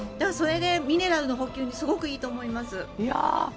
それで、ミネラルの補給にすごくいいと思います。